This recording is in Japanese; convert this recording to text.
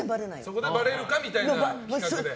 そこでバレルかみたいな企画で。